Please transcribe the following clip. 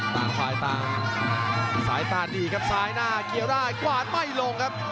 ต่างฝ่ายต่างสายตาดีครับซ้ายหน้าเคี้ยวได้กวาดไม่ลงครับ